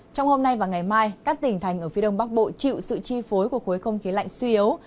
trong hôm nay và ngày mai các tỉnh thành ở phía đông bắc bộ chịu sự chi phối của khối không khí lạnh suy yếu